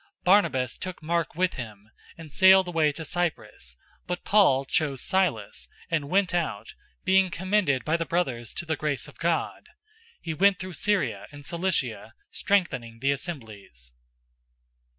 Barnabas took Mark with him, and sailed away to Cyprus, 015:040 but Paul chose Silas, and went out, being commended by the brothers to the grace of God. 015:041 He went through Syria and Cilicia, strengthening the assemblies.